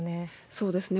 そうですね。